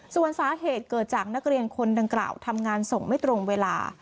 ส่วนสาเหตุเกิดจากนักเรียนคนดังกล่าวทำงานส่งไม่ตรงเวลา